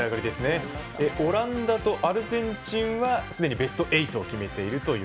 オランダとアルゼンチンはすでにベスト８を決めています。